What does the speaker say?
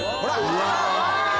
うわ！